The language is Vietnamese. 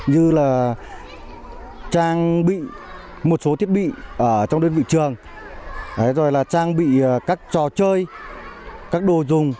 như trang bị một số thiết bị ở trong đơn vị trường trang bị các trò chơi các đồ dùng